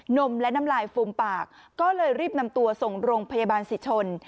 นมและน้ำลายฟูมปากก็เลยรีบนำตัวส่งโรงพยาบาลสิชน